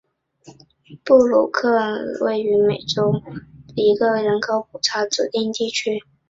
布鲁克特雷尔斯是位于美国加利福尼亚州门多西诺县的一个人口普查指定地区。